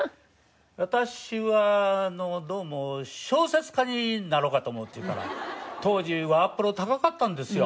私はどうも小説家になろうかと思うって言うから当時ワープロ高かったんですよ。